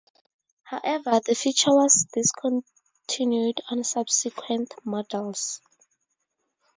However, the feature was discontinued on subsequent models.